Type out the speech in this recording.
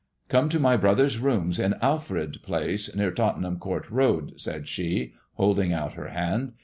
" Come to my brother's rooms in Alfred Place, near Tottenham Court Road," said she, holding out her hand.